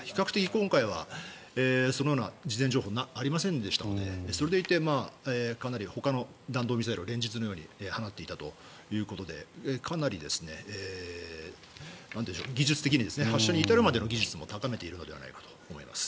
今回は、そのような事前情報がありませんでしたのでそれでいてかなりほかの弾道ミサイルを連日のように放っていたということでかなり技術的に発射に至るまでの技術も高めているのではないかと思います。